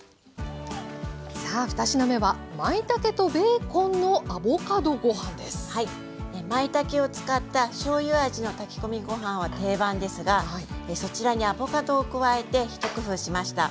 さあ２品目はまいたけを使ったしょうゆ味の炊き込みご飯は定番ですがそちらにアボカドを加えて一工夫しました。